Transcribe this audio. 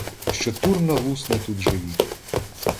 Що Турна лусне тут живіт.